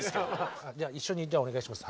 一緒にじゃあお願いします。